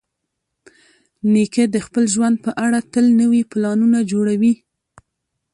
نیکه د خپل ژوند په اړه تل نوي پلانونه جوړوي.